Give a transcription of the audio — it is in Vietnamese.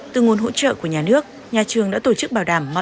từ nguồn hỗ trợ của nhà nước nhà trường đã tổ chức bảo đảm mọi